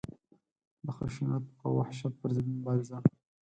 د خشونت او وحشت پر ضد مبارزه.